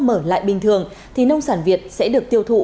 mở lại bình thường thì nông sản việt sẽ được tiêu thụ